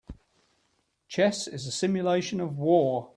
Chess is a simulation of war.